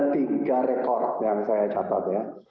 tiga rekor yang saya catat ya